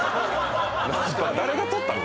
誰が撮ったの？